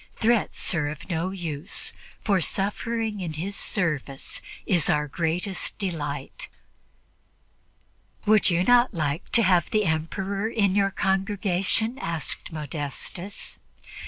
Threats are of no use, for suffering in His service is our greatest delight." "Would you not like to have the Emperor in your congregation?" asked Modestus.